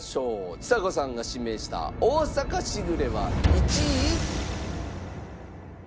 ちさ子さんが指名した『大阪しぐれ』は１位。